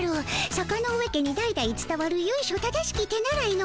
坂ノ上家に代々つたわるゆいしょ正しき手習いの本なのじゃ。